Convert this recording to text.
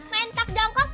pak eh main tak dong kok yuk